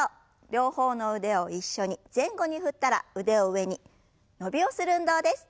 両方の腕を一緒に前後に振ったら腕を上に伸びをする運動です。